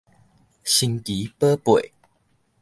神奇寶貝